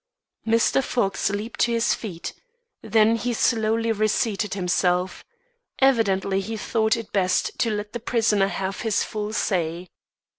Mr. Fox leaped to his feet. Then he slowly reseated himself. Evidently he thought it best to let the prisoner have his full say.